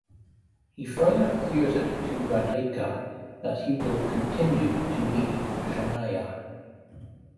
He further clears it to Radhika that he will continue to meet Shanaya.